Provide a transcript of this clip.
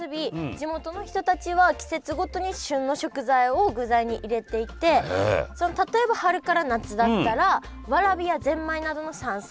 地元の人たちは季節ごとに旬の食材を具材に入れていて例えば春から夏だったらわらびやぜんまいなどの山菜。